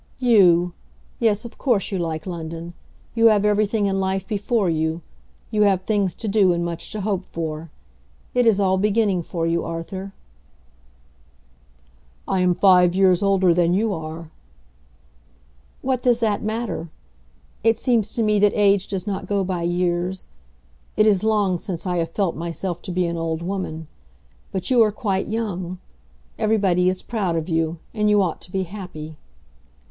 "You! Yes, of course you like London. You have everything in life before you. You have things to do, and much to hope for. It is all beginning for you, Arthur." "I am five years older than you are." "What does that matter? It seems to me that age does not go by years. It is long since I have felt myself to be an old woman. But you are quite young. Everybody is proud of you, and you ought to be happy."